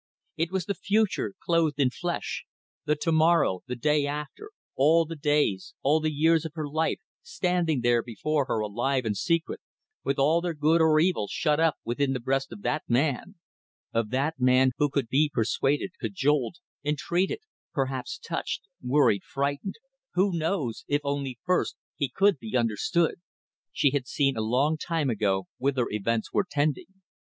It was the future clothed in flesh; the to morrow; the day after; all the days, all the years of her life standing there before her alive and secret, with all their good or evil shut up within the breast of that man; of that man who could be persuaded, cajoled, entreated, perhaps touched, worried; frightened who knows? if only first he could be understood! She had seen a long time ago whither events were tending.